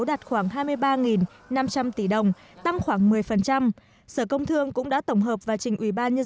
đạt khoảng hai mươi ba năm trăm linh tỷ đồng tăng khoảng một mươi sở công thương cũng đã tổng hợp và trình ủy ban nhân